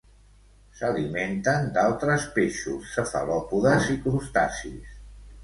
S'alimenten d'altres peixos cefalòpodes i crustacis.